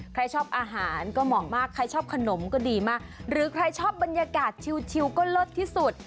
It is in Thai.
ใครชอบอาหารก็เหมาะมากใครชอบขนมก็ดีมากหรือใครชอบบรรยากาศชิวก็เลิศที่สุด